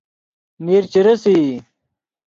میر چے ریسئی